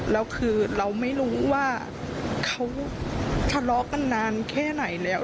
แล้วคือเราไม่รู้ว่าเขาทะเลาะกันนานแค่ไหนแล้ว